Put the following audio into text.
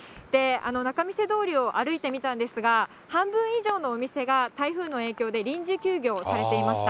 仲見世通りを歩いてみたんですが、半分以上のお店が台風の影響で臨時休業されていました。